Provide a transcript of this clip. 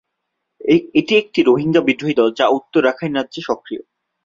এটি একটি রোহিঙ্গা বিদ্রোহী দল যা উত্তর রাখাইন রাজ্যে সক্রিয়।